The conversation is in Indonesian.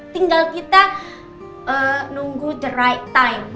tinggal kita nunggu the right time